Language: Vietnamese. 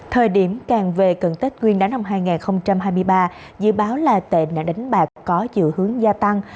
thời điểm càng về cận tích nguyên đá năm hai nghìn hai mươi ba dự báo là tệ nạn đánh bạc có dự hướng gia tăng